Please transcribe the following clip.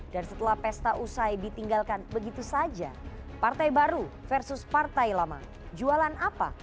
dan setelah pesta usai ditinggalkan begitu saja partai baru versus partai lama jualan apa